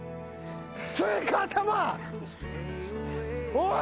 おい！